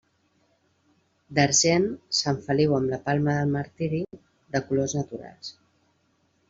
D'argent, Sant Feliu amb la palma del martiri, de colors naturals.